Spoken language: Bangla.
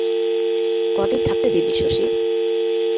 কদিন থাকতে দিবি শশী?